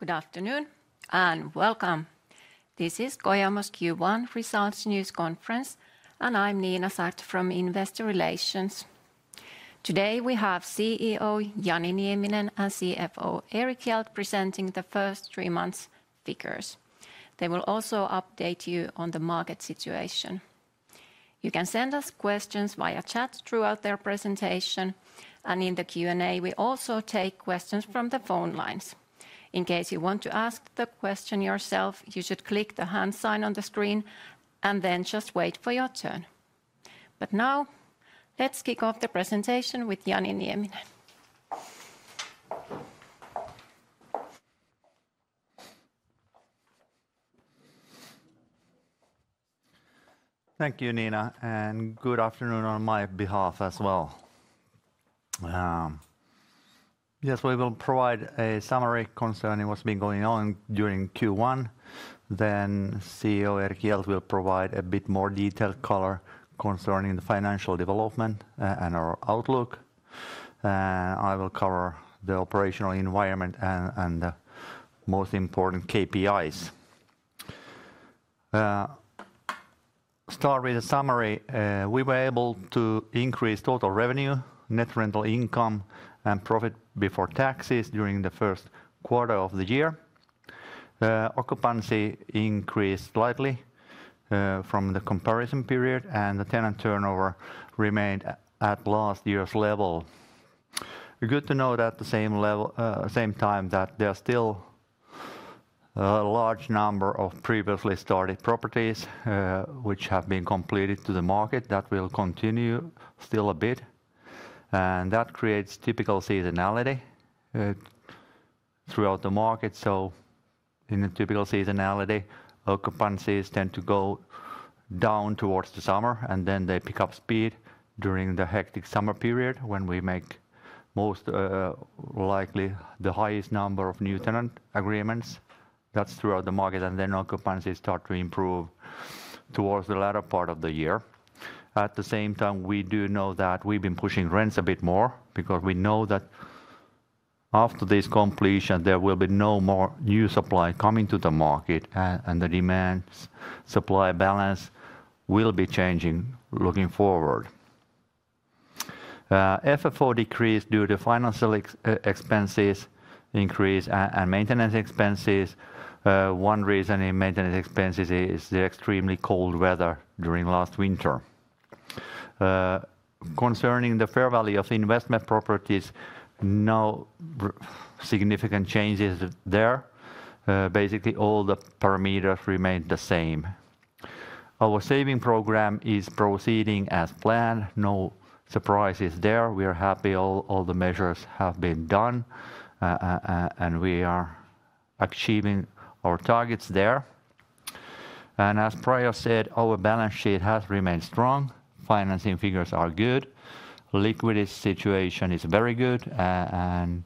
Good afternoon, and welcome. This is Kojamo's Q1 results news conference, and I'm Niina Saarto from Investor Relations. Today, we have CEO Jani Nieminen and CFO Erik Hjelt presenting the first three months' figures. They will also update you on the market situation. You can send us questions via chat throughout their presentation, and in the Q&A, we also take questions from the phone lines. In case you want to ask the question yourself, you should click the hand sign on the screen, and then just wait for your turn. But now, let's kick off the presentation with Jani Nieminen. Thank you, Niina, and good afternoon on my behalf as well. Yes, we will provide a summary concerning what's been going on during Q1, then CFO Erik Hjelt will provide a bit more detailed color concerning the financial development, and our outlook. I will cover the operational environment and the most important KPIs. Starting with the summary, we were able to increase total revenue, net rental income, and profit before taxes during the first quarter of the year. Occupancy increased slightly from the comparison period, and the tenant turnover remained at last year's level. Good to know that the same level, same time that there are still a large number of previously started properties, which have been completed to the market, that will continue still a bit, and that creates typical seasonality throughout the market. So in a typical seasonality, occupancies tend to go down towards the summer, and then they pick up speed during the hectic summer period, when we make most, likely the highest number of new tenant agreements. That's throughout the market, and then occupancies start to improve towards the latter part of the year. At the same time, we do know that we've been pushing rents a bit more, because we know that after this completion, there will be no more new supply coming to the market, and the demand, supply balance will be changing looking forward. FFO decreased due to financial expenses increase and maintenance expenses. One reason in maintenance expenses is the extremely cold weather during last winter. Concerning the fair value of the investment properties, no significant changes there. Basically, all the parameters remained the same. Our savings program is proceeding as planned. No surprises there. We are happy all, all the measures have been done, and we are achieving our targets there. And as prior said, our balance sheet has remained strong, financing figures are good, liquidity situation is very good, and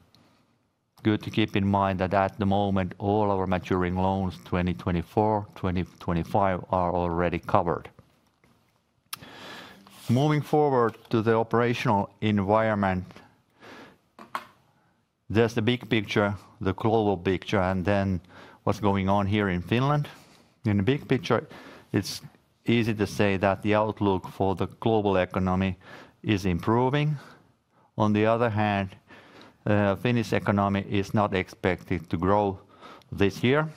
good to keep in mind that at the moment, all our maturing loans, 2024, 2025, are already covered. Moving forward to the operational environment, there's the big picture, the global picture, and then what's going on here in Finland. In the big picture, it's easy to say that the outlook for the global economy is improving. On the other hand, Finnish economy is not expected to grow this year.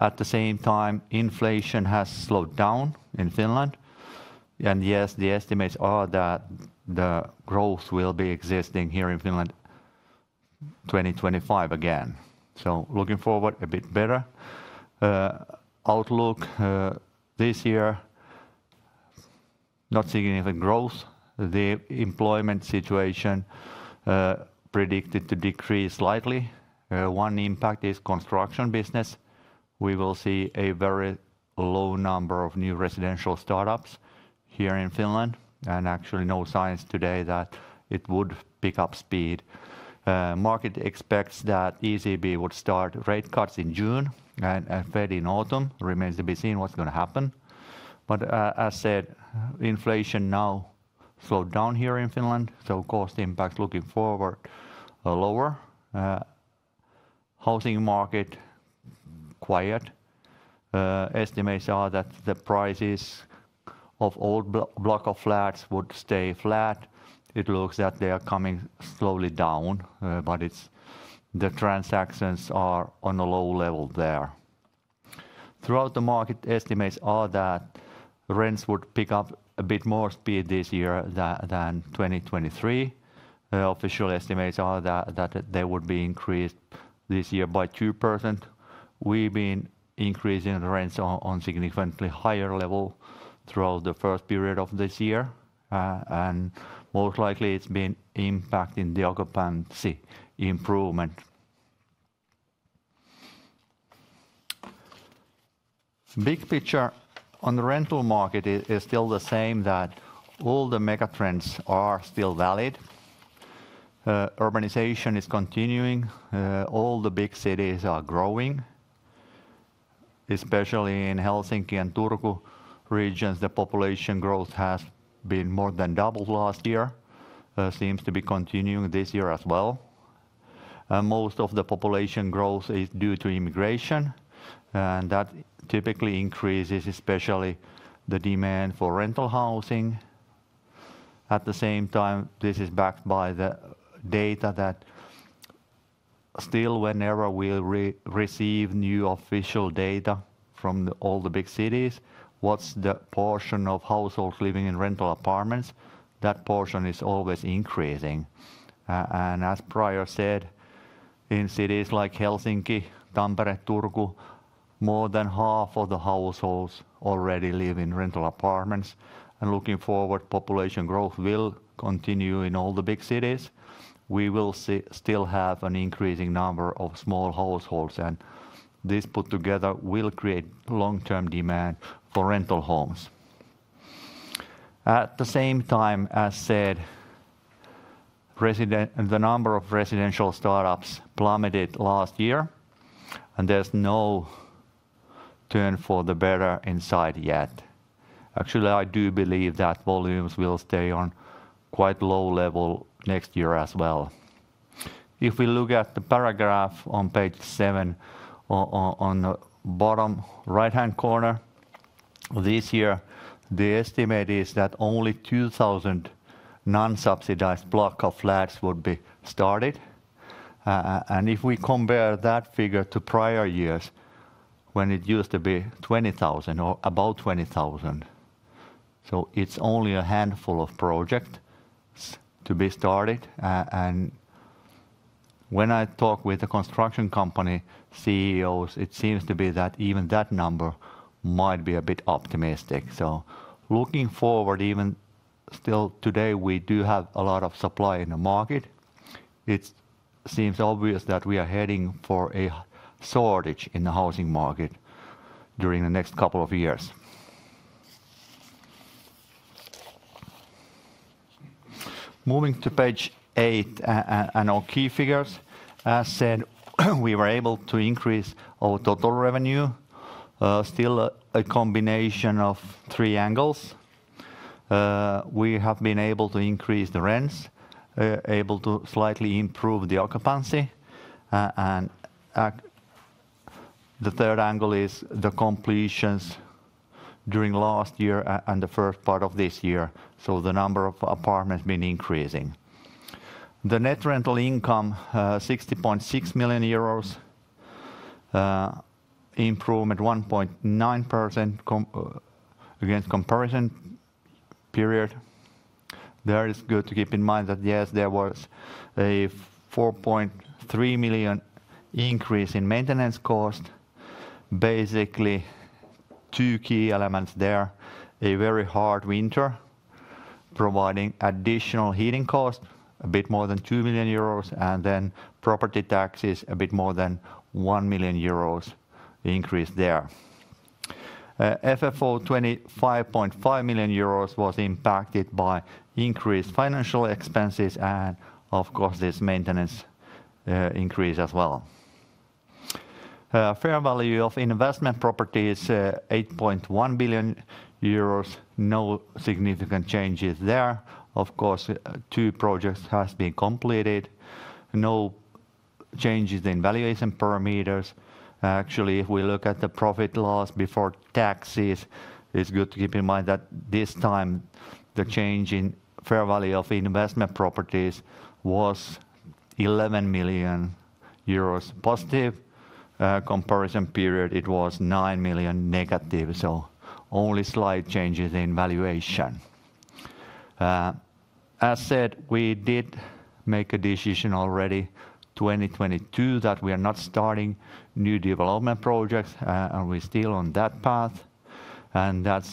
At the same time, inflation has slowed down in Finland, and yes, the estimates are that the growth will be existing here in Finland 2025 again. Looking forward, a bit better. Outlook this year, not significant growth. The employment situation predicted to decrease slightly. One impact is construction business. We will see a very low number of new residential startups here in Finland, and actually no signs today that it would pick up speed. Market expects that ECB would start rate cuts in June, and Fed in autumn. Remains to be seen what's going to happen. But, as said, inflation now slowed down here in Finland, so cost impact looking forward are lower. Housing market, quiet. Estimates are that the prices of old block of flats would stay flat. It looks that they are coming slowly down, but it's... The transactions are on a low level there. Throughout the market, estimates are that rents would pick up a bit more speed this year than 2023. Official estimates are that they would be increased this year by 2%. We've been increasing rents on a significantly higher level throughout the first period of this year, and most likely, it's been impacting the occupancy improvement. Big picture on the rental market is still the same, that all the mega trends are still valid. Urbanization is continuing, all the big cities are growing... especially in Helsinki and Turku regions, the population growth has been more than double last year, seems to be continuing this year as well. And most of the population growth is due to immigration, and that typically increases especially the demand for rental housing. At the same time, this is backed by the data that still whenever we receive new official data from all the big cities, what's the portion of households living in rental apartments? That portion is always increasing. And as previously said, in cities like Helsinki, Tampere, Turku, more than half of the households already live in rental apartments. And looking forward, population growth will continue in all the big cities. We will still see an increasing number of small households, and this put together will create long-term demand for rental homes. At the same time, as said, the number of residential startups plummeted last year, and there's no turn for the better in sight yet. Actually, I do believe that volumes will stay on quite low level next year as well. If we look at the paragraph on page seven, on the bottom right-hand corner, this year, the estimate is that only 2,000 non-subsidized block of flats would be started. And if we compare that figure to prior years, when it used to be 20,000 or above 20,000, so it's only a handful of projects to be started. And when I talk with the construction company CEOs, it seems to be that even that number might be a bit optimistic. So looking forward, even still today, we do have a lot of supply in the market. It seems obvious that we are heading for a shortage in the housing market during the next couple of years. Moving to page eight, and our key figures, as said, we were able to increase our total revenue, still a combination of three angles. We have been able to increase the rents, able to slightly improve the occupancy, and the third angle is the completions during last year and the first part of this year, so the number of apartments been increasing. The net rental income, 60.6 million euros, improvement 1.9% against comparison period. There, it's good to keep in mind that, yes, there was a 4.3 million increase in maintenance cost. Basically, two key elements there, a very hard winter, providing additional heating cost, a bit more than 2 million euros, and then property taxes, a bit more than 1 million euros increase there. FFO 25.5 million euros was impacted by increased financial expenses and, of course, this maintenance increase as well. Fair value of investment property is 8.1 billion euros. No significant changes there. Of course, two projects has been completed. No changes in valuation parameters. Actually, if we look at the profit loss before taxes, it's good to keep in mind that this time, the change in fair value of investment properties was 11 million euros positive. Comparison period, it was 9 million negative, so only slight changes in valuation. As said, we did make a decision already, 2022, that we are not starting new development projects, and we're still on that path, and that's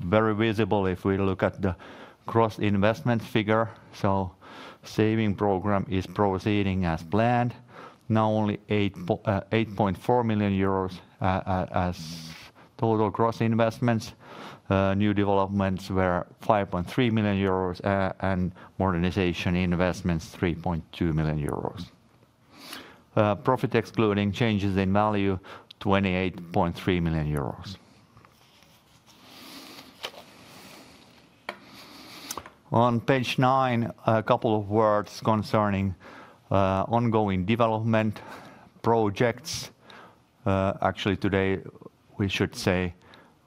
very visible if we look at the gross investment figure. So saving program is proceeding as planned. Now, only eight po... 8.4 million euros as total gross investments. New developments were 5.3 million euros, and modernization investments, 3.2 million euros. Profit, excluding changes in value, 28.3 million euros. On page nine, a couple of words concerning ongoing development projects. Actually, today, we should say,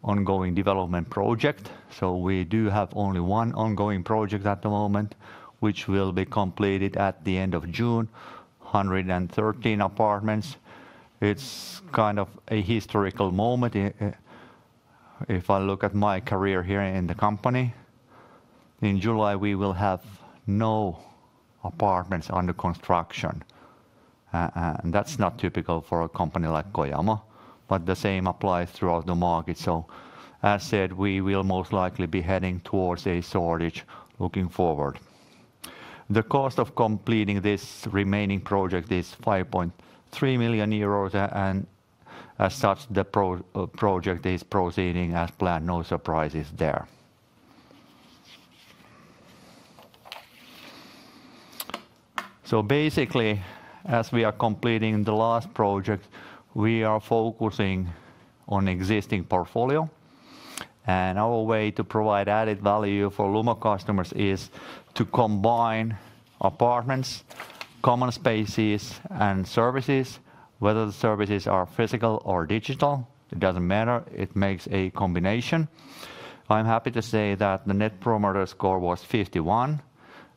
ongoing development project. So we do have only one ongoing project at the moment, which will be completed at the end of June, 113 apartments. It's kind of a historical moment, if I look at my career here in the company. In July, we will have no apartments under construction, and that's not typical for a company like Kojamo, but the same applies throughout the market. So, as said, we will most likely be heading towards a shortage looking forward. The cost of completing this remaining project is 5.3 million euros, and as such, the project is proceeding as planned. No surprises there. So basically, as we are completing the last project, we are focusing on existing portfolio. And our way to provide added value for Lumo customers is to combine apartments, common spaces, and services. Whether the services are physical or digital, it doesn't matter, it makes a combination. I'm happy to say that the Net Promoter Score was 51,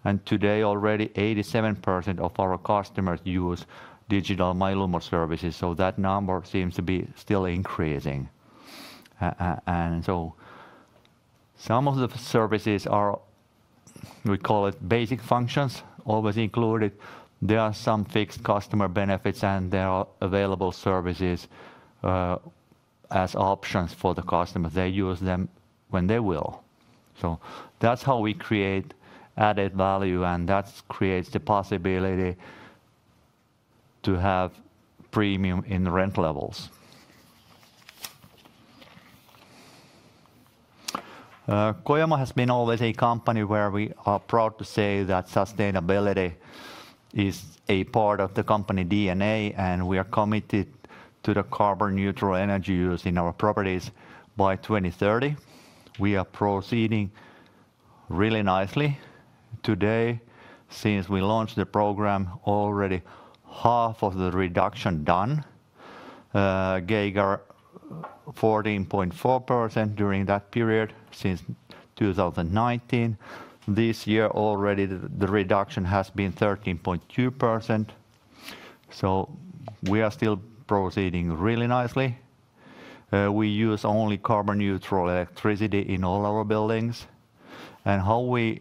and today already 87% of our customers use digital My Lumo services, so that number seems to be still increasing. And so some of the services are, we call it, basic functions, always included. There are some fixed customer benefits, and there are available services, as options for the customer. They use them when they will. So that's how we create added value, and that creates the possibility to have premium in the rent levels. Kojamo has been always a company where we are proud to say that sustainability is a part of the company DNA, and we are committed to the carbon neutral energy use in our properties by 2030. We are proceeding really nicely. Today, since we launched the program, already half of the reduction done, gave our 14.4% during that period, since 2019. This year, already the reduction has been 13.2%, so we are still proceeding really nicely. We use only carbon neutral electricity in all our buildings. And how we,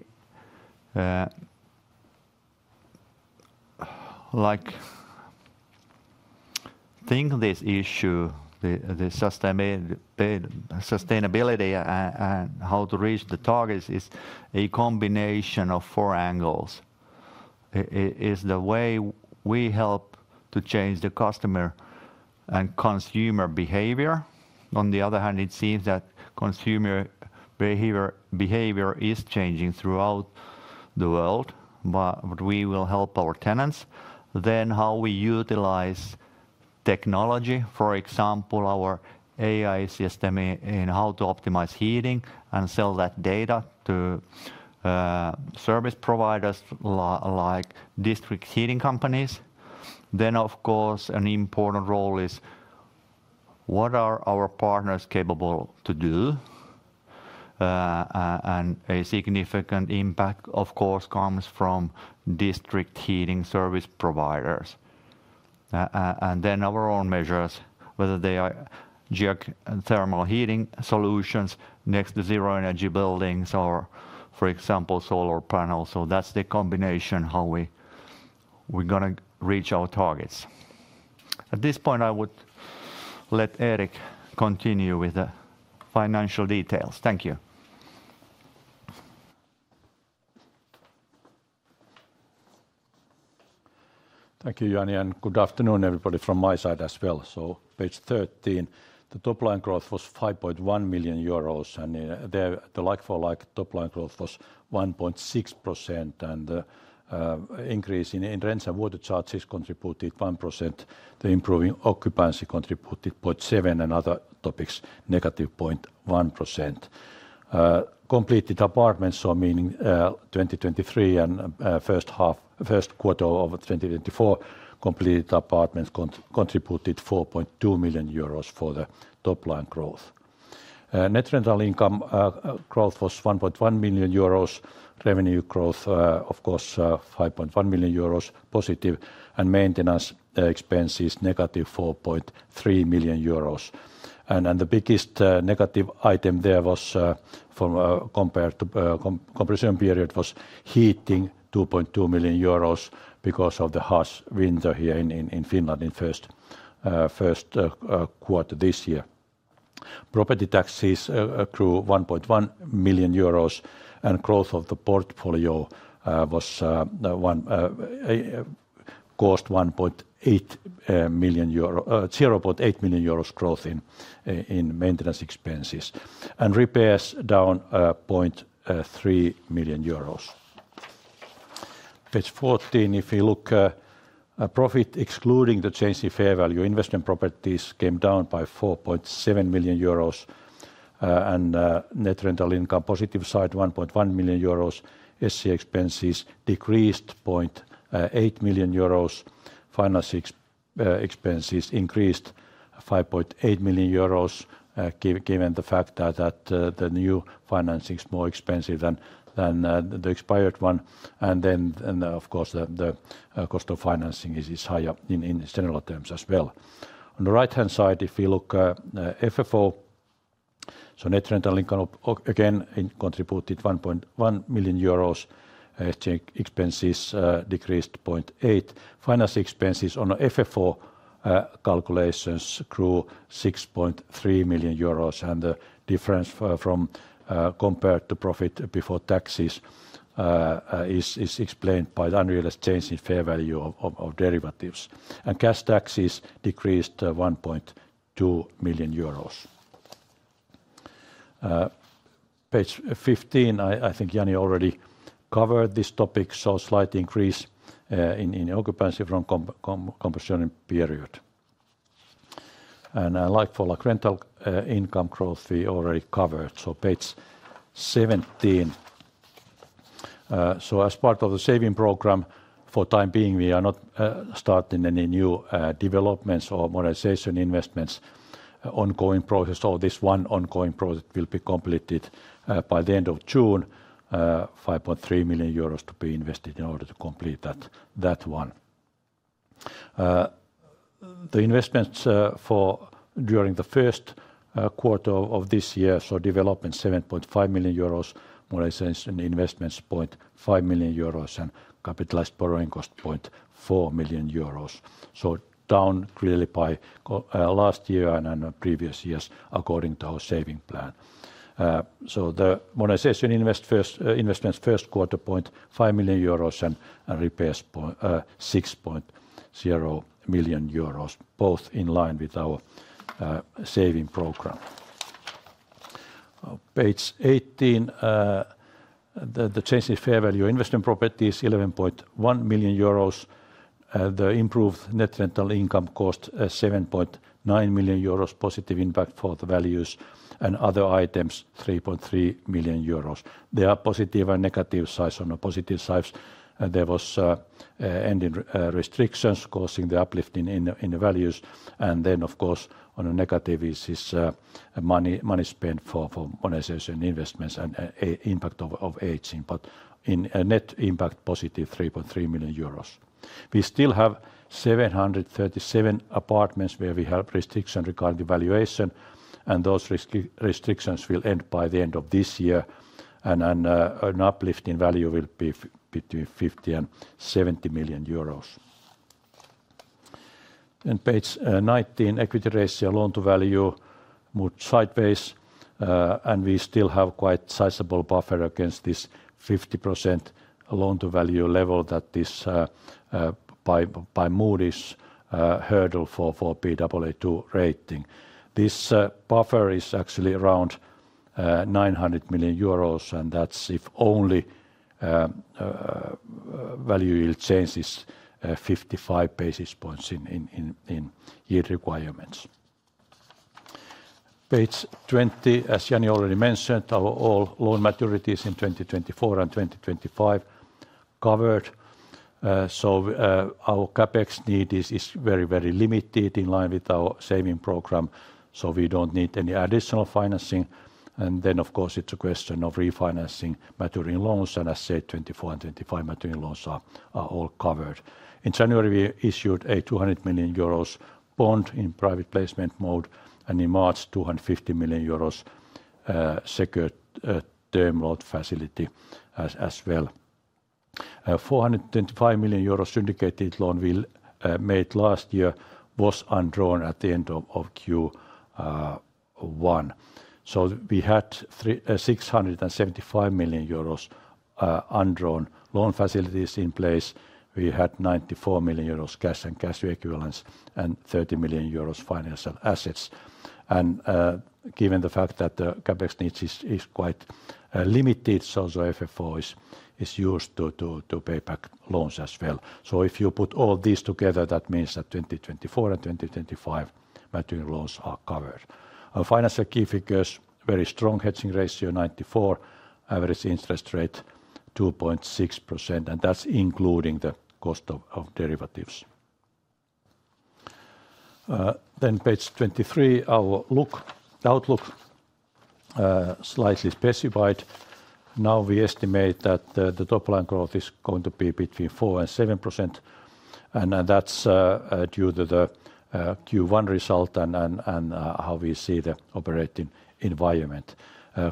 like, think this issue, the sustainability and how to reach the targets is a combination of four angles. It is the way we help to change the customer and consumer behavior. On the other hand, it seems that consumer behavior, behavior is changing throughout the world, but, but we will help our tenants. Then, how we utilize technology, for example, our AI system in how to optimize heating and sell that data to service providers, like district heating companies. Then, of course, an important role is: what are our partners capable to do? And a significant impact, of course, comes from district heating service providers. And then our own measures, whether they are geothermal heating solutions, next to zero-energy buildings or, for example, solar panels. So that's the combination how we, we're gonna reach our targets. At this point, I would let Erik continue with the financial details. Thank you. Thank you, Jani, and good afternoon, everybody, from my side as well. So page 13, the top line growth was 5.1 million euros, and the like-for-like top line growth was 1.6%, and increase in rents and water charges contributed 1%, the improving occupancy contributed 0.7%, and other topics, -0.1%. Completed apartments, so meaning 2023 and first quarter of 2024, completed apartments contributed 4.2 million euros for the top line growth. Net rental income growth was 1.1 million euros. Revenue growth, of course, +5.1 million euros, and maintenance expenses, -4.3 million euros. And the biggest negative item there was from comparison period was heating, 2.2 million euros, because of the harsh winter here in Finland in first quarter this year. Property taxes accrue 1.1 million euros, and growth of the portfolio was 1.8 million euro, 0.8 million euros growth in maintenance expenses. And repairs down 0.3 millioN euros. Page 14, if you look, a profit excluding the change in fair value investment properties came down by 4.7 million euros, and net rental income positive side 1.1 million euros. S&A expenses decreased 0.8 million euros. Finance expenses increased 5.8 million euros, given the fact that the new financing is more expensive than the expired one. And then, of course, the cost of financing is higher in general terms as well. On the right-hand side, if you look, FFO, so net rental income again contributed 1.1 million euros. S&A expenses decreased 0.8 million. Finance expenses on FFO calculations grew 6.3 million euros, and the difference compared to profit before taxes is explained by the unrealized change in fair value of derivatives. And cash taxes decreased 1.2 million euros. Page 15, I think Jani already covered this topic, so slight increase in occupancy from comparison period. And like-for-like rental income growth, we already covered, so page 17. So as part of the saving program, for time being, we are not starting any new developments or modernization investments. Ongoing projects or this one ongoing project will be completed by the end of June, 5.3 million euros to be invested in order to complete that one. The investments for during the first quarter of this year, so development 7.5 million euros, modernization investments 0.5 million euros, and capitalized borrowing cost 0.4 million euros. So down clearly by comparison to last year and then previous years, according to our saving plan. So the modernization investments first quarter 0.5 million euros and repairs 0.6 million euros, both in line with our saving program. Page 18, the change in fair value investment property is 11.1 million euros. The improved net rental income cost 7.9 million euros, positive impact for the values, and other items, 3.3 million euros. There are positive and negative sides. On the positive sides, there was ending re-restrictions causing the uplift in the values. And then, of course, on a negative is money spent for modernization investments and impact of aging. But in a net impact, +3.3 million euros. We still have 737 apartments where we have restriction regarding valuation, and those restrictions will end by the end of this year, and then an uplift in value will be between 50 million and 70 million euros. Page 19, equity ratio, loan-to-value, moved sideways, and we still have quite sizable buffer against this 50% loan-to-value level that is by Moody's hurdle for Baa2 rating. This buffer is actually around 900 million euros, and that's if only value yield changes 55 basis points in year requirements. Page 20, as Jani already mentioned, all our loan maturities in 2024 and 2025 covered. So our CapEx need is very, very limited in line with our saving program, so we don't need any additional financing. Then, of course, it's a question of refinancing maturing loans. As I said, 2024 and 2025 maturing loans are all covered. In January, we issued a 200 million euros bond in private placement mode, and in March, a 250 million euros secured term loan facility as well. A 425 million euros syndicated loan we made last year was undrawn at the end of Q1. So we had three 675 million euros undrawn loan facilities in place. We had 94 million euros cash and cash equivalents, and 30 million euros financial assets. Given the fact that the CapEx needs is quite limited, so the FFO is used to pay back loans as well. So if you put all these together, that means that 2024 and 2025 maturing loans are covered. Our financial key figures, very strong hedging ratio, 94%. Average interest rate, 2.6%, and that's including the cost of derivatives. Then page 23, our outlook, slightly specified. Now, we estimate that the top-line growth is going to be between 4% and 7%, and that's due to the Q1 result and how we see the operating environment.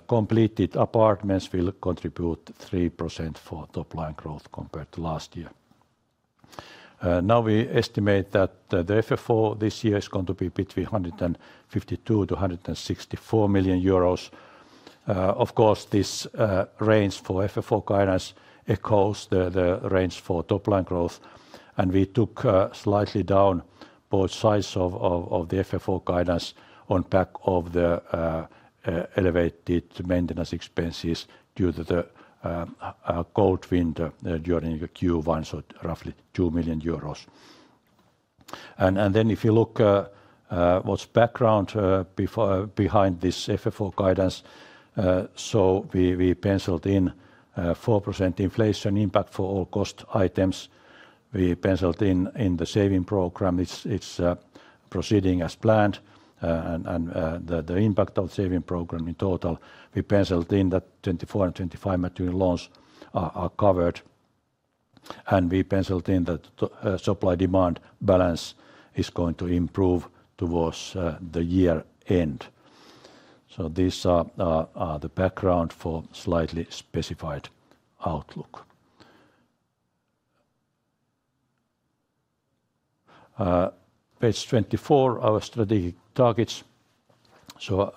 Completed apartments will contribute 3% for top-line growth compared to last year. Now, we estimate that the FFO this year is going to be between 152 million euros and 164 million euros. Of course, this range for FFO guidance echoes the range for top-line growth, and we took slightly down both sides of the FFO guidance on back of the elevated maintenance expenses due to the cold winter during the Q1, so roughly 2 million euros. Then if you look behind this FFO guidance, so we penciled in 4% inflation impact for all cost items. We penciled in the saving program; it's proceeding as planned, and the impact of the saving program in total. We penciled in that 2024 and 2025 maturing loans are covered, and we penciled in that the supply-demand balance is going to improve towards the year end. So these are the background for slightly specified outlook. Page 24, our strategic targets. So,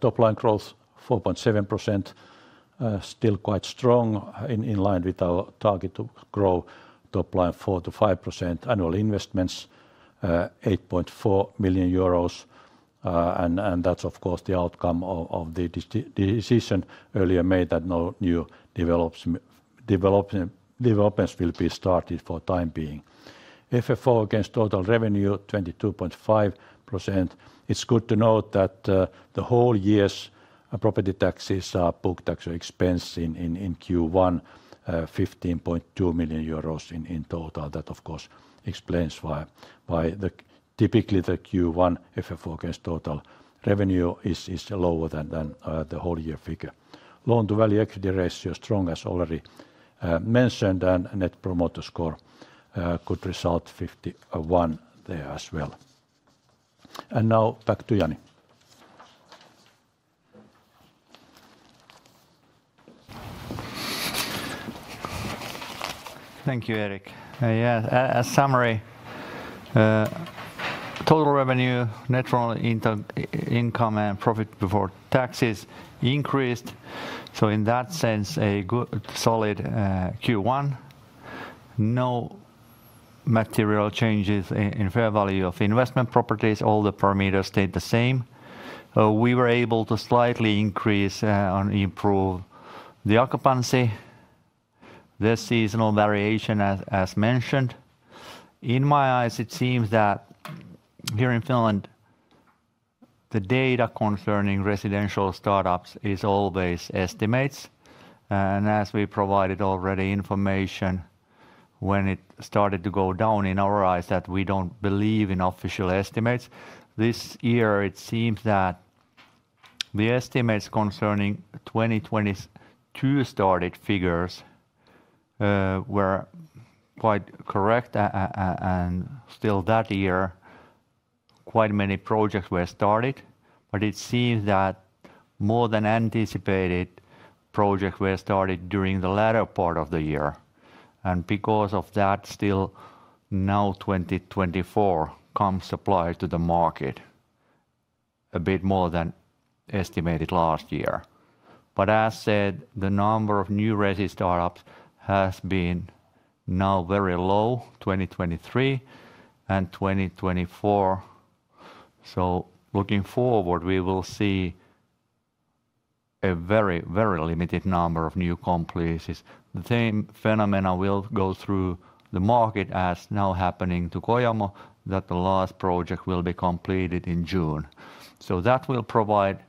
top-line growth, 4.7%. Still quite strong, in line with our target to grow top line 4%-5% annual investments, 8.4 million euros. And that's, of course, the outcome of the decision earlier made that no new developments will be started for the time being. FFO against total revenue, 22.5%. It's good to note that the whole year's property taxes are booked as actual expense in Q1, 15.2 million euros in total. That of course explains why the... Typically, the Q1 FFO against total revenue is lower than the whole year figure. Loan-to-value equity ratio is strong, as already mentioned, and Net Promoter Score good result, 51 there as well. And now back to Jani. Thank you, Erik. As a summary, total revenue, net rental income, income, and profit before taxes increased. So in that sense, a good, solid Q1. No material changes in fair value of investment properties. All the parameters stayed the same. We were able to slightly increase and improve the occupancy. The seasonal variation, as mentioned. In my eyes, it seems that here in Finland, the data concerning residential startups is always estimates. And as we provided already information when it started to go down, in our eyes, that we don't believe in official estimates. This year, it seems that the estimates concerning 2022 started figures were quite correct. And still that year, quite many projects were started, but it seems that more than anticipated projects were started during the latter part of the year. Because of that, still now 2024 construction supply to the market a bit more than estimated last year. As said, the number of new resi startups has been now very low, 2023 and 2024. Looking forward, we will see a very, very limited number of new complexes. The same phenomenon will go through the market as now happening to Kojamo, that the last project will be completed in June. That will provide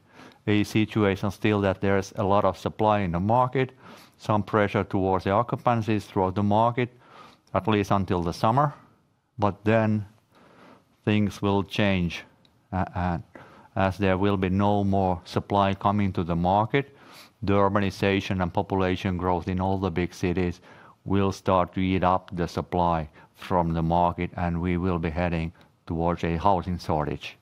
a situation still that there is a lot of supply in the market, some pressure towards the occupancies throughout the market, at least until the summer. Then things will change, as there will be no more supply coming to the market. The urbanization and population growth in all the big cities will start to eat up the supply from the market, and we will be heading towards a housing shortage.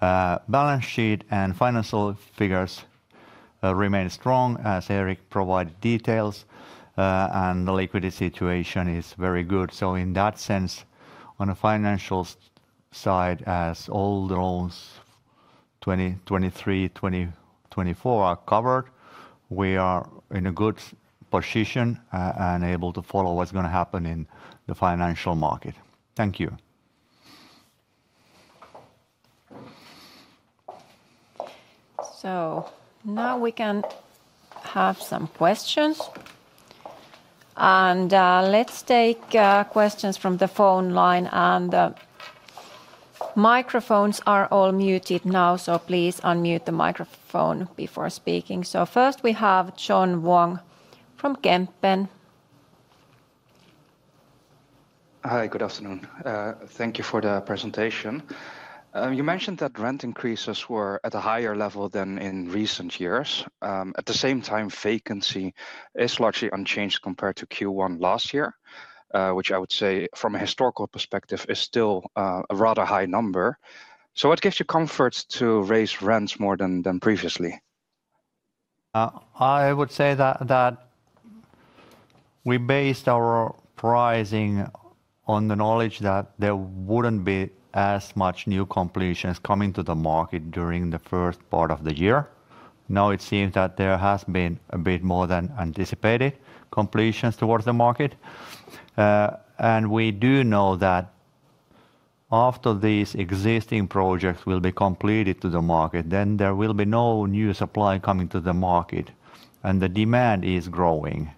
Balance sheet and financial figures remain strong, as Erik provided details, and the liquidity situation is very good. So in that sense, on a financial side, as all the loans 2023, 2024 are covered, we are in a good position, and able to follow what's gonna happen in the financial market. Thank you. So now we can have some questions. Let's take questions from the phone line, and the microphones are all muted now, so please unmute the microphone before speaking. So first, we have John Vuong from Kempen. Hi, good afternoon. Thank you for the presentation. You mentioned that rent increases were at a higher level than in recent years. At the same time, vacancy is largely unchanged compared to Q1 last year, which I would say from a historical perspective is still a rather high number. So what gives you comfort to raise rents more than previously? I would say that we based our pricing on the knowledge that there wouldn't be as much new completions coming to the market during the first part of the year. Now, it seems that there has been a bit more than anticipated completions towards the market. And we do know that after these existing projects will be completed to the market, then there will be no new supply coming to the market, and the demand is growing.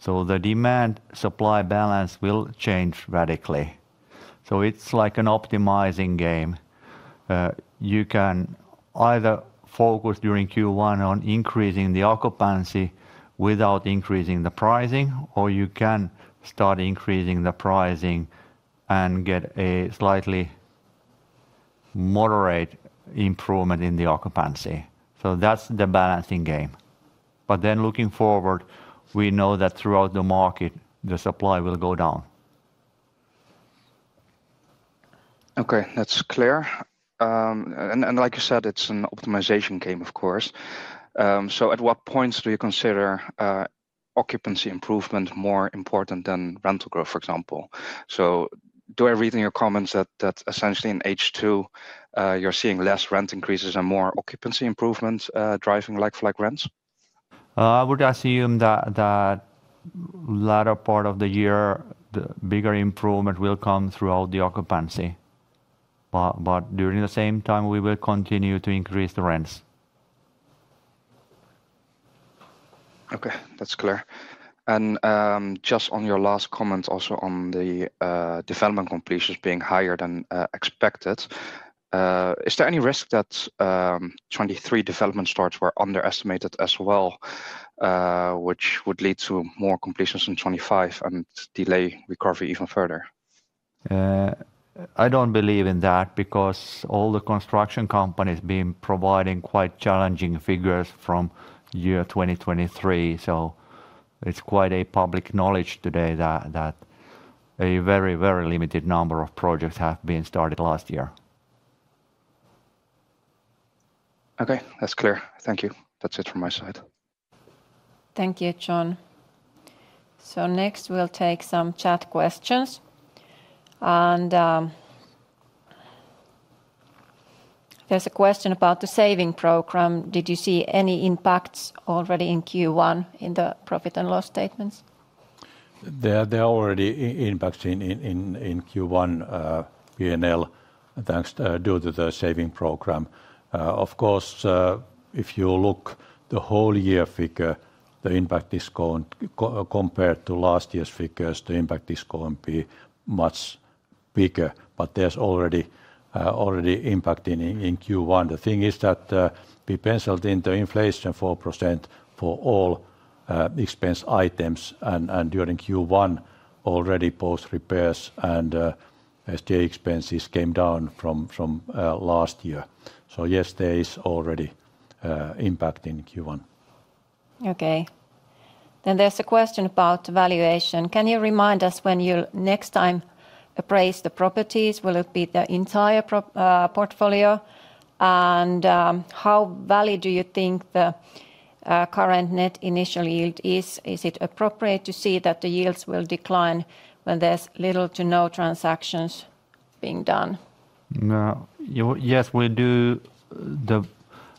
So the demand-supply balance will change radically. So it's like an optimizing game. You can either focus during Q1 on increasing the occupancy without increasing the pricing, or you can start increasing the pricing and get a slightly moderate improvement in the occupancy. So that's the balancing game. But then looking forward, we know that throughout the market, the supply will go down. Okay, that's clear. And like you said, it's an optimization game, of course. So at what points do you consider occupancy improvement more important than rental growth, for example? So do I read in your comments that that essentially in H2 you're seeing less rent increases and more occupancy improvements driving like-for-like rents? I would assume that the latter part of the year, the bigger improvement will come throughout the occupancy. But during the same time, we will continue to increase the rents. Okay, that's clear. Just on your last comment also on the development completions being higher than expected. Is there any risk that 2023 development starts were underestimated as well, which would lead to more completions in 2025 and delay recovery even further? I don't believe in that, because all the construction companies been providing quite challenging figures from year 2023. So it's quite a public knowledge today that a very, very limited number of projects have been started last year. Okay, that's clear. Thank you. That's it from my side. Thank you, John. Next, we'll take some chat questions. There's a question about the saving program. Did you see any impacts already in Q1 in the profit and loss statements? There are already impacts in Q1 P&L, thanks to due to the saving program. Of course, if you look the whole year figure, the impact is going compared to last year's figures, the impact is going to be much bigger, but there's already impact in Q1. The thing is that, we penciled in the inflation 4% for all expense items, and during Q1, already both repairs and S&A expenses came down from last year. So yes, there is already impact in Q1. Okay. Then there's a question about valuation. Can you remind us when you'll next time appraise the properties? Will it be the entire portfolio? And, how value do you think the current net initial yield is? Is it appropriate to say that the yields will decline when there's little to no transactions being done? No. You... Yes, we do the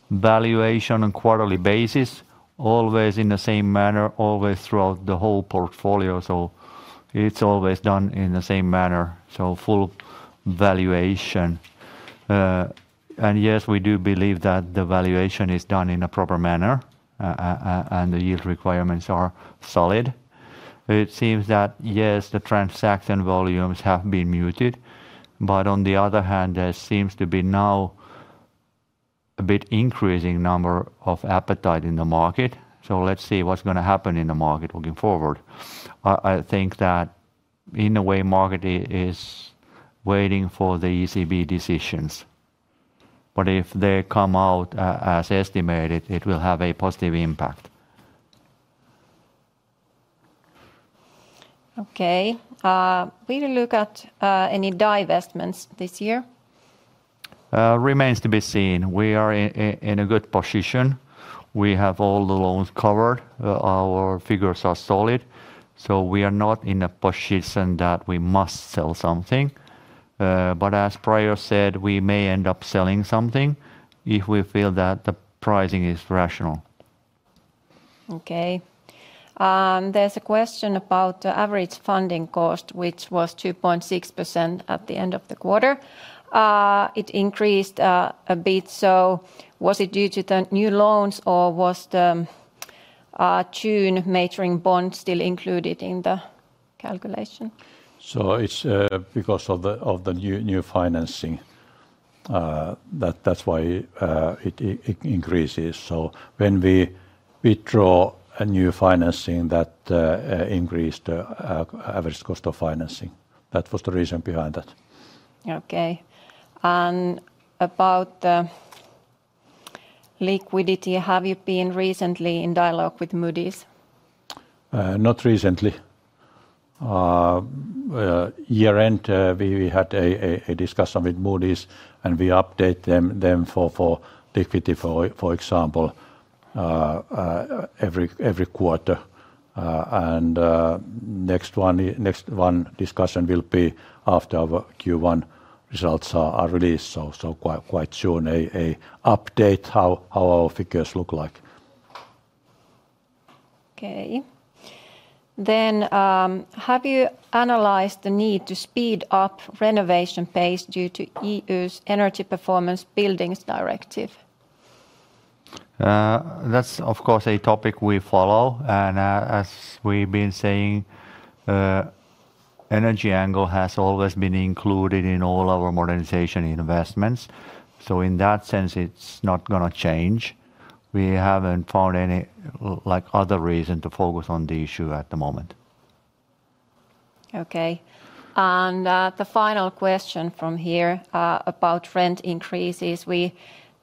valuation on quarterly basis, always in the same manner, always throughout the whole portfolio, so it's always done in the same manner, so full valuation. And yes, we do believe that the valuation is done in a proper manner, and the yield requirements are solid. It seems that, yes, the transaction volumes have been muted, but on the other hand, there seems to be now a bit increasing number of appetite in the market. So let's see what's gonna happen in the market looking forward. I think that in a way, market is waiting for the ECB decisions, but if they come out, as estimated, it will have a positive impact. Okay. Will you look at any divestments this year? Remains to be seen. We are in a good position. We have all the loans covered. Our figures are solid, so we are not in a position that we must sell something. But as Prior said, we may end up selling something if we feel that the pricing is rational. Okay. There's a question about the average funding cost, which was 2.6% at the end of the quarter. It increased a bit, so was it due to the new loans, or was the June maturing bond still included in the calculation? So it's because of the new financing that's why it increases. So when we withdraw a new financing, that increase the average cost of financing. That was the reason behind that. Okay. And about the liquidity, have you been recently in dialogue with Moody's? Not recently. Year-end, we had a discussion with Moody's, and we update them for liquidity, for example, every quarter. Next discussion will be after our Q1 results are released, so quite soon, an update how our figures look like. Okay. Then, have you analyzed the need to speed up renovation pace due to EU's Energy Performance of Buildings Directive? That's, of course, a topic we follow. As we've been saying, energy angle has always been included in all our modernization investments, so in that sense, it's not gonna change. We haven't found any, like, other reason to focus on the issue at the moment. Okay. The final question from here about rent increases. We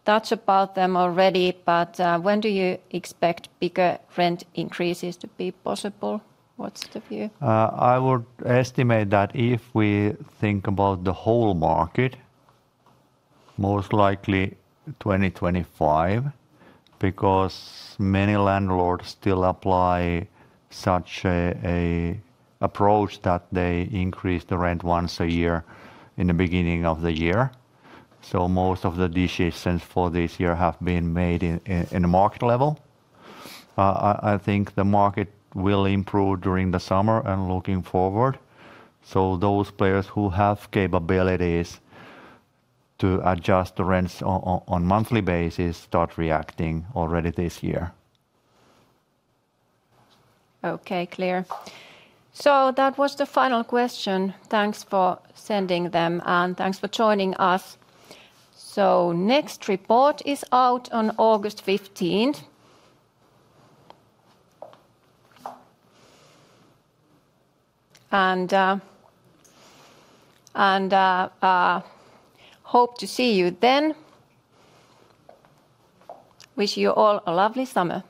touched about them already, but when do you expect bigger rent increases to be possible? What's the view? I would estimate that if we think about the whole market, most likely 2025, because many landlords still apply such a approach that they increase the rent once a year in the beginning of the year. So most of the decisions for this year have been made in the market level. I think the market will improve during the summer and looking forward, so those players who have capabilities to adjust the rents on monthly basis start reacting already this year. Okay, clear. So that was the final question. Thanks for sending them, and thanks for joining us. So next report is out on August 15th. And hope to see you then. Wish you all a lovely summer.